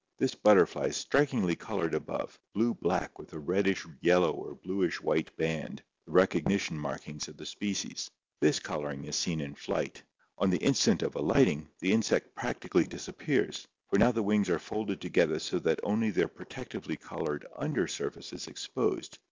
This butterfly is strikingly colored above, blue black with a reddish yellow or bluish white band, the recognition markings of the species. This coloring is seen in flight. On the instant of alighting, the insect practically disappears, for now the wings are folded together so that only their protectively colored under surface is exposed.